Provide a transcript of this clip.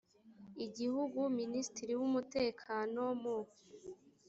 igihugu minisitiri w’umutekano mu